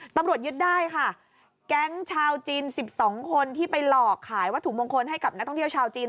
ตำรวจยึดได้ค่ะแก๊งชาวจีน๑๒คนที่ไปหลอกขายวัตถุมงคลให้กับนักท่องเที่ยวชาวจีน